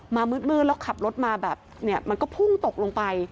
มามืดแล้วขับรถมาแบบเนี่ยมันก็พุ่งตกลงไป